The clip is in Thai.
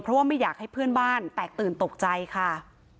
เพราะว่าไม่อยากให้เพื่อนบ้านแตกตื่นตกใจค่ะ